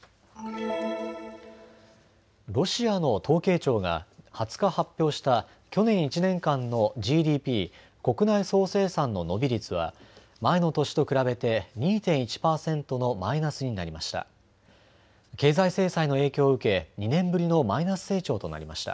ロシアの統計庁が２０日発表した去年１年間のＧＤＰ・国内総生産の伸び率は前の年と比べて２．１％のマイナスになりました。